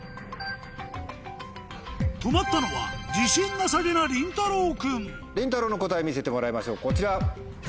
止まったのは自信なさげなりんたろう君りんたろうの答え見せてもらいましょうこちら。